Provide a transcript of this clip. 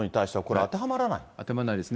当てはまらないですね。